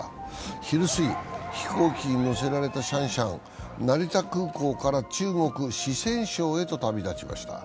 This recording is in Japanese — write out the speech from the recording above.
昼過ぎ、飛行機に乗せられたシャンシャン、中国・四川省へと旅立ちました。